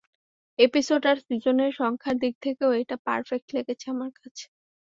Episode আর সিজনের সংখ্যার দিক থেকেও এটা পারফেক্ট লেগেছে আমার কাছে।